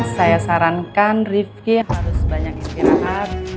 saya sarankan rifki harus banyak istirahat